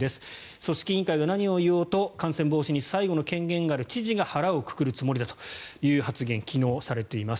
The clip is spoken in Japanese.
組織委員会が何を言おうと感染防止に最後の権限がある知事が腹をくくるつもりだという発言を昨日、されています。